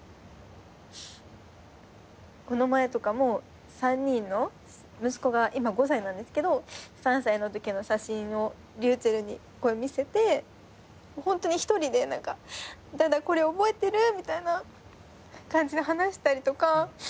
この前とかも３人の息子が今５歳なんですけど３歳のときの写真をｒｙｕｃｈｅｌｌに見せてホントに一人で「ダダこれ覚えてる？」みたいな感じで話したりとか。